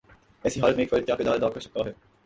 ایسی حالت میں ایک فرد کیا کردار ادا کر سکتا ہے؟